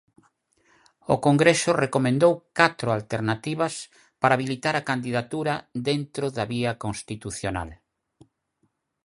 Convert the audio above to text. O congreso recomendou catro alternativas para habilitar a candidatura dentro da vía constitucional.